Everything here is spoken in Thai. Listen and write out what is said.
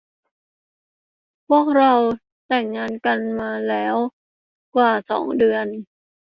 พวกเราแต่งงานกันมาแล้วกว่าสองเดือน